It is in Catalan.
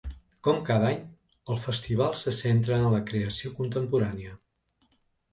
Com cada any, el festival se centra en la creació contemporània.